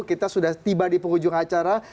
kita sudah tiba di penghujung acara